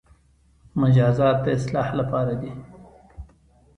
مجازات د اصلاح لپاره دي